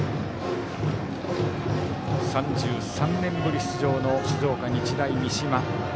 ３３年ぶり出場の静岡・日大三島。